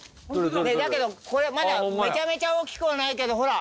だけどこれまだめちゃめちゃ大きくはないけどほら。